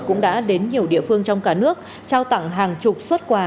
cũng đã đến nhiều địa phương trong cả nước trao tặng hàng chục xuất quà